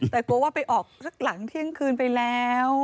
แต่กลัวว่าไปออกสักหลังเที่ยงคืนไปแล้ว